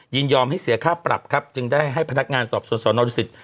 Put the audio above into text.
ยินยอมให้เสียค่าปรับครับจึงได้ให้พนักงานสอบสวนสนดุสิต